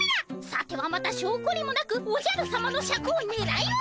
さてはまたしょうこりもなくおじゃるさまのシャクをねらいおるのか！